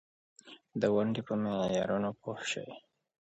ازادي راډیو د بانکي نظام په اړه د پرانیستو بحثونو کوربه وه.